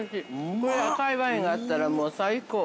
これ、赤いワインがあったらもう最高。